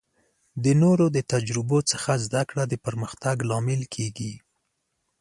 د نورو د تجربو څخه زده کړه د پرمختګ لامل کیږي.